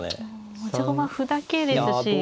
持ち駒歩だけですし。